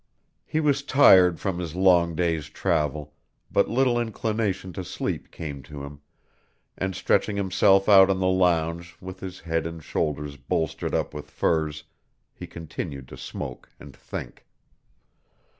He was tired from his long day's travel but little inclination to sleep came to him, and stretching himself out on the lounge with his head and shoulders bolstered up with furs, he continued to smoke and think.